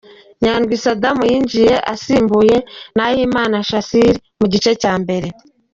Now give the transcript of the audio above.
Nyandwi Saddam yinjiye asimbuye Nahimana Shassir mu gice cya mbere